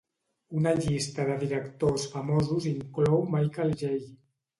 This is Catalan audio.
Una llista de directors famosos inclou Michael J.